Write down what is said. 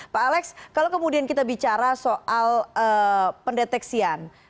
pak alex kalau kemudian kita bicara soal pendeteksian